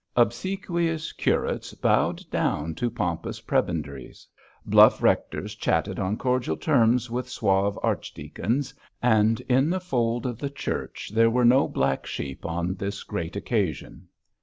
Obsequious curates bowed down to pompous prebendaries; bluff rectors chatted on cordial terms with suave archdeacons; and in the fold of the Church there were no black sheep on this great occasion.